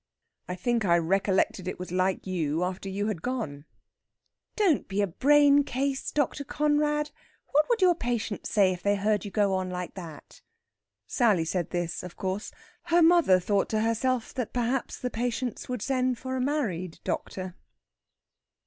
"I think I recollected it was like you after you had gone." "Don't be a brain case, Dr. Conrad. What would your patients say if they heard you go on like that?" Sally said this, of course. Her mother thought to herself that perhaps the patients would send for a married doctor.